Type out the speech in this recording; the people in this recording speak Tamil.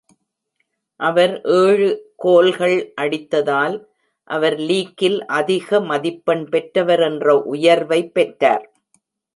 அவர் ஏழு கோல்கள் அடித்ததால், அவர் லீக்கில் அதிக மதிப்பெண் பெற்றவர் என்ற உயர்வை பெற்றார்.